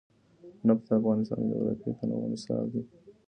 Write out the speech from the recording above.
نفت د افغانستان د جغرافیوي تنوع مثال دی.